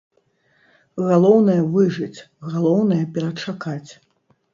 Галоўнае, выжыць, галоўнае, перачакаць!